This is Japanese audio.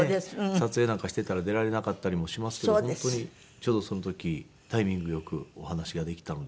撮影なんかしていたら出られなかったりもしますけど本当にちょうどその時タイミングよくお話ができたので。